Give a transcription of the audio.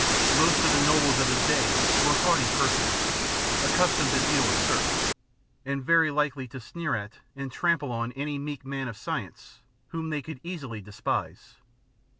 Most of the nobles of his day were haughty persons, accustomed to deal with serfs, and very likely to sneer at and trample on any meek man of science whom they could easily despise.